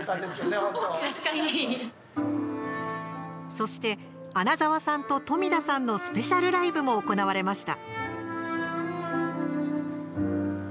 そして、穴澤さんと富田さんのスペシャルライブも行われました。